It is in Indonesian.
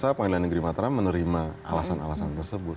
saya rasa pemilihan negeri mataram menerima alasan alasan tersebut